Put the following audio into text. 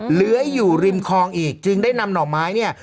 เหลืออยู่ริมคลองอีกจึงได้นำหน่อไม้เนี่ย